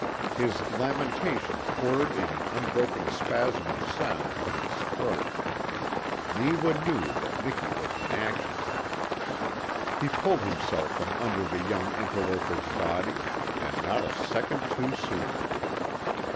His lamentation poured in an unbroken spasm of sound from his throat. Neewa knew that Miki was in action. He pulled himself from under the young interloper's body and not a second too soon.